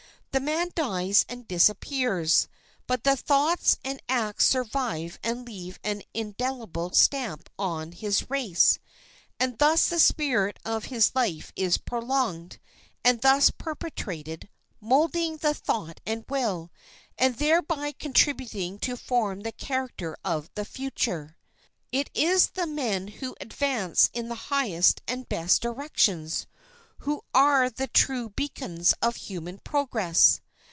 The man dies and disappears; but the thoughts and acts survive and leave an indelible stamp on his race. And thus the spirit of his life is prolonged, and thus perpetuated, molding the thought and will, and thereby contributing to form the character of the future. It is the men who advance in the highest and best directions who are the true beacons of human progress.